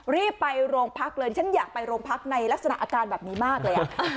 รีบไปโรงพักเลยฉันอยากไปโรงพักในลักษณะอาการแบบนี้มากเลย